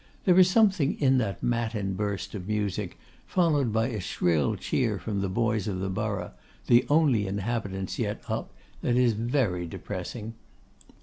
There is something in that matin burst of music, followed by a shrill cheer from the boys of the borough, the only inhabitants yet up, that is very depressing.